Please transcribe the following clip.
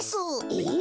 えっ？